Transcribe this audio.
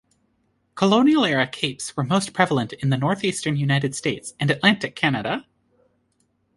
Colonial-era Capes were most prevalent in the Northeastern United States and Atlantic Canada.